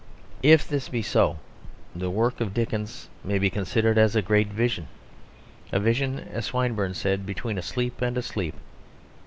If this be so, the work of Dickens may be considered as a great vision a vision, as Swinburne said, between a sleep and a sleep.